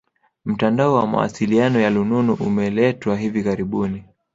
Mtandao wa mawasiliano ya lununu umeletwa hivi karibuni